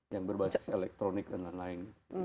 yang berbasis elektronik dan lain lain